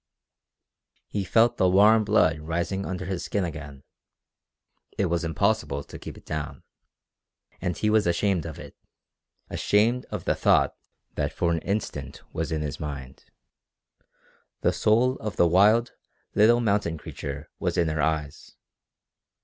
He felt the warm blood rising under his skin again. It was impossible to keep it down. And he was ashamed of it ashamed of the thought that for an instant was in his mind. The soul of the wild, little mountain creature was in her eyes.